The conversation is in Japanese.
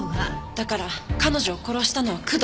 だから彼女を殺したのは工藤。